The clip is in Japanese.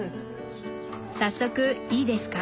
早速いいですか？